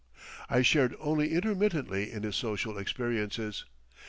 I shared only intermittently in his social experiences.